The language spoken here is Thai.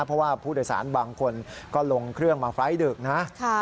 เพราะว่าผู้โดยสารบางคนก็ลงเครื่องมาไฟล์ดึกนะ